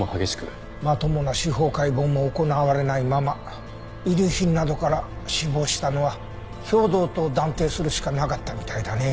まともな司法解剖も行われないまま遺留品などから死亡したのは兵働と断定するしかなかったみたいだね。